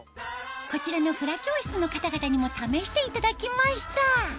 こちらのフラ教室の方々にも試していただきました